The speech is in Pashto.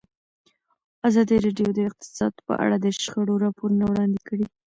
ازادي راډیو د اقتصاد په اړه د شخړو راپورونه وړاندې کړي.